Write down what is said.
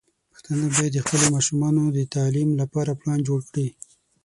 پښتانه بايد د خپلو ماشومانو د تعليم لپاره پلان جوړ کړي.